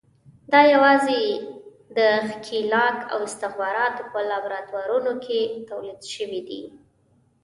دا یوازې د ښکېلاک او استخباراتو په لابراتوارونو کې تولید شوي دي.